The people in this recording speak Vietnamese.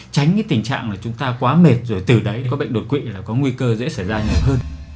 tránh cái tình trạng là chúng ta quá mệt rồi từ đấy có bệnh đột quỵ là có nguy cơ dễ xảy ra nhiều hơn